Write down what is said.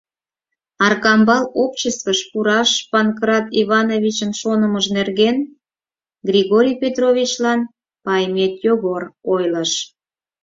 Аркамбал обществыш пураш Панкрат Ивановичын шонымыж нерген Григорий Петровичлан Паймет Йогор ойлыш.